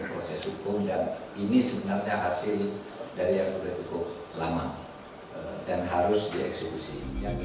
proses hukum dan ini sebenarnya hasil dari hak hak hukum lama dan harus dieksekusi